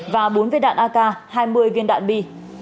và bốn viên đạn ak hai mươi viên đạn bi